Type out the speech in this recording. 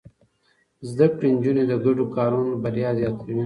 زده کړې نجونې د ګډو کارونو بريا زياتوي.